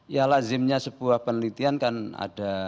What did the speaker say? ya lazimnya sebuah penelitian kan ada